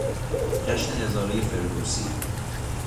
جشن هزارهی فردوسی